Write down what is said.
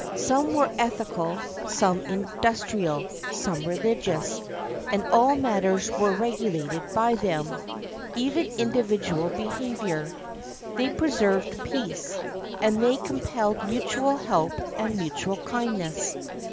Some were ethical, some industrial, some religious; and all matters were regulated by them, — even individual behavior. They preserved peace, and they compelled mutual help and mutual kindness.